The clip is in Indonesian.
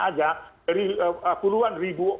aja dari puluhan ribu